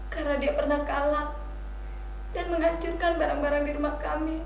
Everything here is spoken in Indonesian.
karena dia pernah kalah dan menghancurkan barang barang di rumah kami